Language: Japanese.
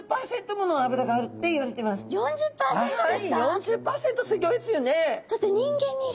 ４０％すギョいですよね。